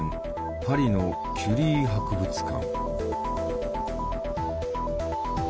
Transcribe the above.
パリのキュリー博物館。